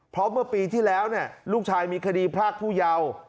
เพราะเมื่อปีที่แล้วลูกชายมีคดีพรากผู้เยาว์